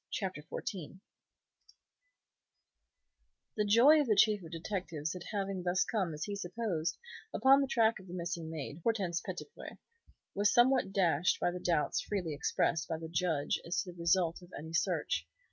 CHAPTER XIV The joy of the Chief of Detectives at having thus come, as he supposed, upon the track of the missing maid, Hortense Petitpré, was somewhat dashed by the doubts freely expressed by the Judge as to the result of any search.